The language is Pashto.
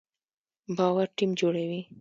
باور ټیم جوړوي